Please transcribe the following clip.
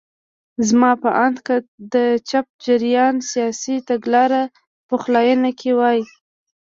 زما په اند که د چپ جریان سیاسي تګلاره پخلاینه کې وای.